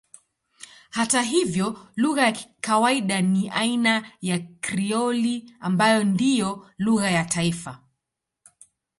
Hata hivyo lugha ya kawaida ni aina ya Krioli ambayo ndiyo lugha ya taifa.